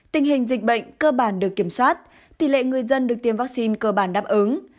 tình hình dịch bệnh cơ bản được kiểm soát tỷ lệ người dân được tiêm vaccine cơ bản đáp ứng